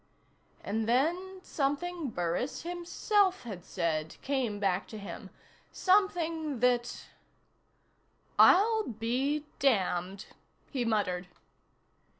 And then something Burris himself had said came back to him, something that "I'll be damned," he muttered.